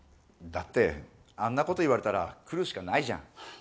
だってあんなこと言われたら来るしかないじゃん。